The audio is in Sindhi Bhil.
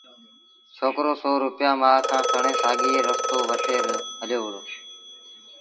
ڇوڪرو سو روپيآ مآ کآݩ کڻي سآڳوئيٚ رستو وٺي هليو وهُڙو